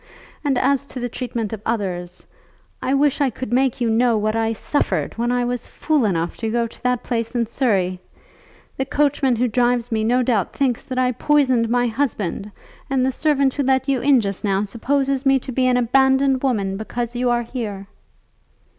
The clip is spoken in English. And as to the treatment of others; I wish I could make you know what I suffered when I was fool enough to go to that place in Surrey. The coachman who drives me no doubt thinks that I poisoned my husband, and the servant who let you in just now supposes me to be an abandoned woman because you are here."